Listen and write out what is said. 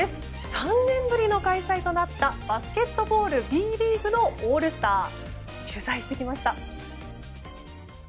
３年ぶりの開催となったバスケットボールＢリーグのオールスターを取材してきました。